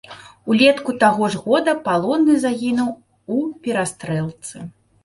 Улетку таго ж года палонны загінуў у перастрэлцы.